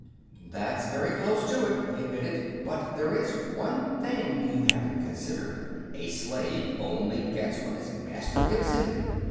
"That's very close to it," he admitted. "But there is one thing you haven't considered. A slave only gets what his master gives him.